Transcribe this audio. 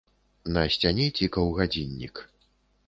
На сцяне цікаў гадзіннік.